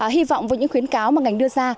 hy vọng với những khuyến cáo mà ngành đưa ra